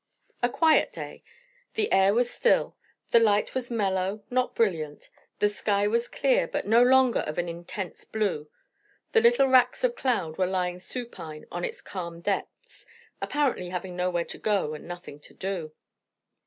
A quiet day; the air was still; the light was mellow, not brilliant; the sky was clear, but no longer of an intense blue; the little racks of cloud were lying supine on its calm depths, apparently having nowhere to go and nothing to do.